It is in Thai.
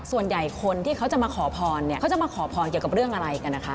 ส่วนใหญ่คนที่เขาจะมาขอพรเนี่ยเขาจะมาขอพรเกี่ยวกับเรื่องอะไรกันนะคะ